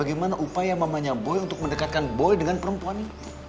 bagaimana upaya mamanya boy untuk mendekatkan boy dengan perempuannya